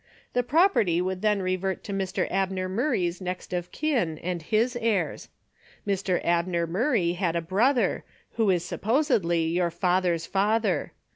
The property would then revert to Mr. Abner Murray's next of kin, and his heirs. Mr. Abner Murray had a brother, who is supposedly your father's father.